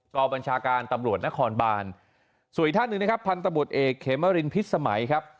บัญชาการตำรวจนครบานส่วนอีกท่านหนึ่งนะครับพันธบทเอกเขมรินพิษสมัยครับ